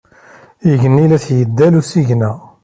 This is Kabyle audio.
Igenni la t-yeddal usigna.